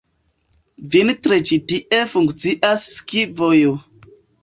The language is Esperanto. Vintre ĉi tie funkcias ski-vojo.